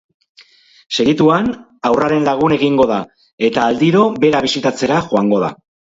Segituan haurraren lagun egingo da eta aldiro bera bisitatzera joango da.